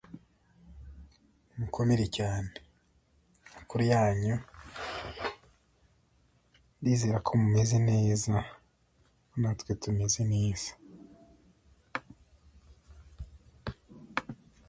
Bishoy Elantony under the supervision of Bishop Botros.